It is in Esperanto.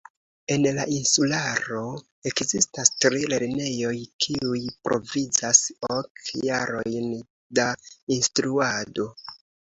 En la insularo ekzistas tri lernejoj, kiuj provizas ok jarojn da instruado.